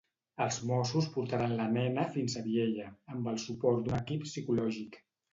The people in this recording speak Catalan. Els Mossos portaran la nena fins a Vielha, amb el suport d'un equip psicològic.